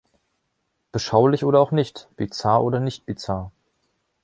Beschaulich oder auch nicht, bizarr oder nicht bizarr.